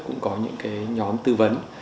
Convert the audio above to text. cũng có những nhóm tư vấn